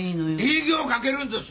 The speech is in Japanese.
営業かけるんどす！